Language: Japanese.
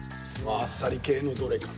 あっさり系のどれか。